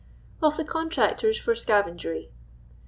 Of tue Contractoks fok Scavenoeuy.